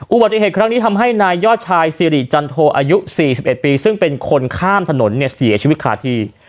อุบัติเหตุครั้งนี้ทำให้นายยอดชายสิริจันโทอายุ๔๑ปีซึ่งเป็นคนข้ามถนนเนี่ยเสียชีวิตขาดที่